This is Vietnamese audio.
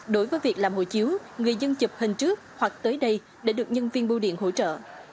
đối với việc làm hồ chiếu người dân chụp hình trước hoặc tới đây để được nhân viên bưu điện hỗ trợ